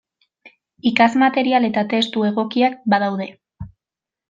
Ikasmaterial eta testu egokiak badaude.